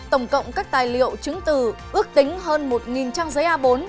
tổng cộng các tài liệu chứng từ ước tính hơn một trang giấy a bốn